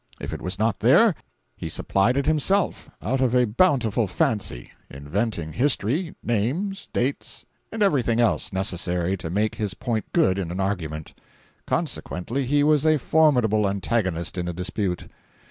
If it was not there, he supplied it himself, out of a bountiful fancy, inventing history, names, dates, and every thing else necessary to make his point good in an argument. Consequently he was a formidable antagonist in a dispute.